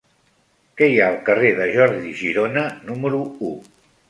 Què hi ha al carrer de Jordi Girona número u?